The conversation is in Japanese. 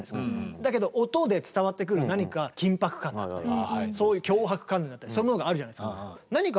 だけど音で伝わってくる何か緊迫感だったりそういう強迫観念だったりそういうものがあるじゃないですか。